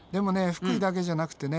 福井だけじゃなくてね